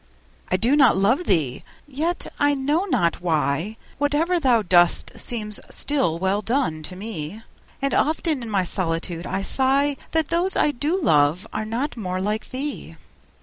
I do not love thee!—yet, I know not why, 5 Whate'er thou dost seems still well done, to me: And often in my solitude I sigh That those I do love are not more like thee!